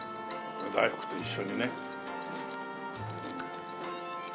大福と一緒にね。